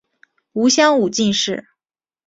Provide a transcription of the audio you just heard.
吴襄武进士。